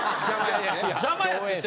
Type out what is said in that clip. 邪魔やって？